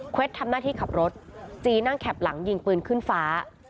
ทำหน้าที่ขับรถจีนั่งแข็บหลังยิงปืนขึ้นฟ้า